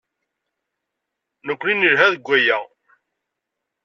Nekkni nelha deg waya.